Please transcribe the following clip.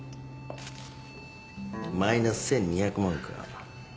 マイナス１，２００万か。